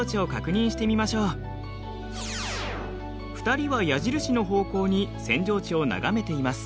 ２人は矢印の方向に扇状地を眺めています。